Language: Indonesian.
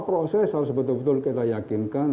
proses harus betul betul kita yakinkan